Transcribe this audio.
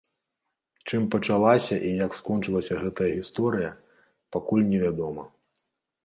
Чым пачалася і як скончылася гэтая гісторыя, пакуль невядома.